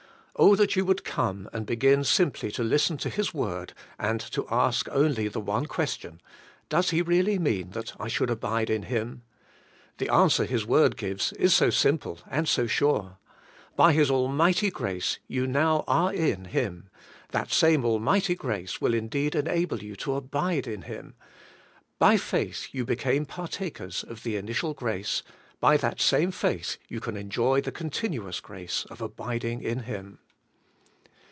Oh that you would come and begin simply to listen to His word, and to ask only the one ques tion: Does He really mean that I should abide in Him? The answer His word gives is so simple and so sure: By His almighty grace you now are in Him; that same almighty grace will indeed enable you to abide in Him. By faith you became partakers of the initial grace; by that same faith you can enjoy the continuous grace of abiding in Him.